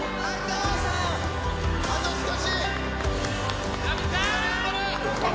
あと少し！